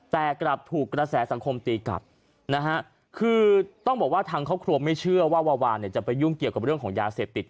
แต่กลับถูกกระแสสังคมตีกลับนะฮะคือต้องบอกว่าทางครอบครัวไม่เชื่อว่าวาวาเนี่ยจะไปยุ่งเกี่ยวกับเรื่องของยาเสพติด